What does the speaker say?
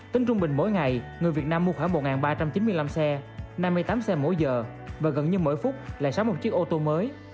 tính trung bình mỗi ngày người việt nam mua khoảng một ba trăm chín mươi năm xe năm mươi tám xe mỗi giờ và gần như mỗi phút lại sáu một chiếc ô tô mới